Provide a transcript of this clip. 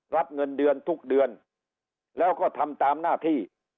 รับเงินเดือนทุกเดือนแล้วก็ทำตามหน้าที่